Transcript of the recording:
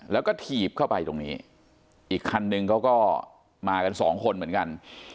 แล้วก็ถีบเข้าไปตรงนี้อีกคันนึงเขาก็มากันสองคนเหมือนกัน